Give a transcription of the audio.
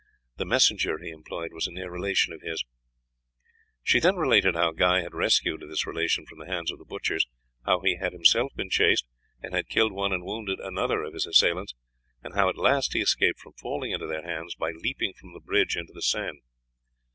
The messenger he employed was a near relation of his." And she then related how Guy had rescued this relation from the hands of the butchers, how he had himself been chased, and had killed one and wounded another of his assailants; and how at last he escaped from falling into their hands by leaping from the bridge into the Seine.